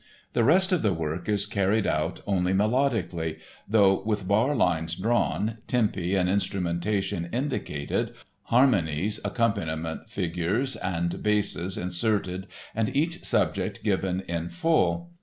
The rest of the work is carried out only melodically, though with bar lines drawn, tempi and instrumentation indicated, harmonies, accompaniment figures and basses inserted and each subject given in full.